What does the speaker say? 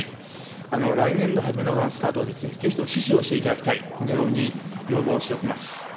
来年度初めのスタートを、ぜひとも死守をしていただきたい、このように要望しておきます。